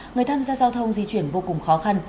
người tham gia giao thông di chuyển vô cùng khó khăn